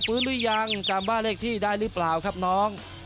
หรือยังจำบ้านเลขที่ได้หรือเปล่าครับน้อง